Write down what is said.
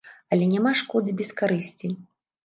Але няма шкоды без карысці.